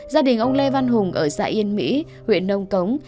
gia đình ông lê văn hùng ở xã yên mỹ huyện nông cống